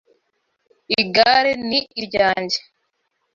Igare ni iryanjye.